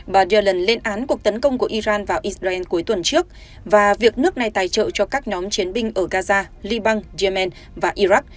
bà yellen lên án cuộc tấn công của iran vào israel cuối tuần trước và việc nước này tài trợ cho các nhóm chiến binh ở gaza liban yemen và iraq